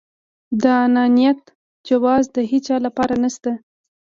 د انانيت جواز د هيچا لپاره نشته.